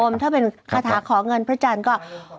ถ้าเป็นคาถาขอเงินพระจันทร์ก็